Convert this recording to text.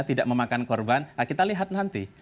tidak memakan korban kita lihat nanti